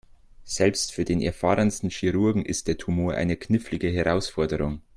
Selbst für den erfahrensten Chirurgen ist der Tumor eine knifflige Herausforderung.